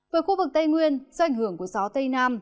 với khu vực tây nguyên do ảnh hưởng của gió tây nam